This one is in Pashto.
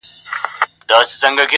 بیا اوښتی میکدې ته مي نن پام دی-